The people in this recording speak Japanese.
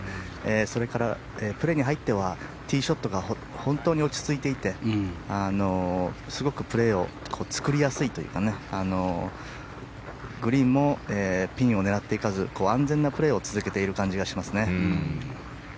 それから、プレーに入ってはティーショットが本当に落ち着いていてすごくプレーを作りやすいというかグリーンもピンを狙っていかず安全なプレーを続けている感じがしますね。